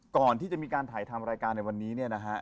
ก่อนที่จะมีการถ่ายทำรายการในวันนี้เนี่ยนะฮะ